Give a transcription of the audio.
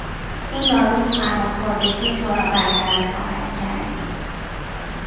این دارو سرماخوردگی تو را برطرف خواهد کرد.